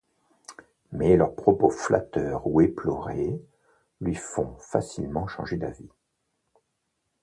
Mais leurs propos flatteurs ou éplorés lui font facilement changer d'avis.